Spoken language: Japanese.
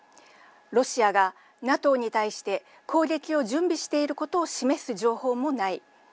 ロシアがＮＡＴＯに対して攻撃を準備していることを示す情報もない。